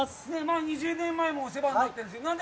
２０年前もお世話になってるんです。